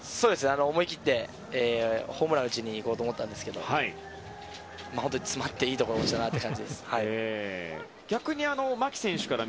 思い切ってホームランを打ちに行こうと思ったんですが詰まっていいところだったなと思います。